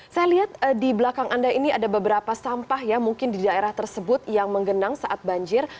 saya lihat di belakang anda ini ada beberapa sampah ya mungkin di daerah tersebut yang menggenang saat banjir